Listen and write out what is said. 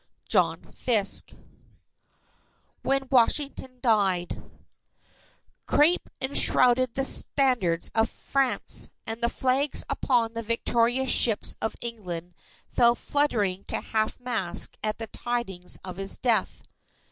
John Fiske WHEN WASHINGTON DIED Crape enshrouded the Standards of France, and the Flags upon the victorious ships of England fell fluttering to half mast at the tidings of his death.